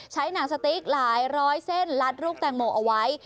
หนังสติ๊กหลายร้อยเส้นลัดลูกแตงโมเอาไว้